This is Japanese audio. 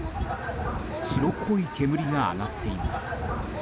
白っぽい煙が上がっています。